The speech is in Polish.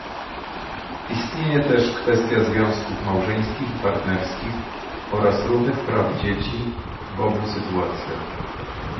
Istnieje też kwestia związków małżeńskich i partnerskich oraz równych praw dzieci w obu sytuacjach